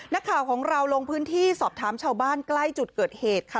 นักข่าวของเราลงพื้นที่สอบถามชาวบ้านใกล้จุดเกิดเหตุค่ะ